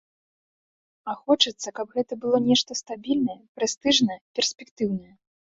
А хочацца, каб гэта было нешта стабільнае, прэстыжнае, перспектыўнае.